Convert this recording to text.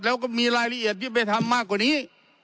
แล้วก็มีรายละเอียดที่ไปทำมากกว่านี้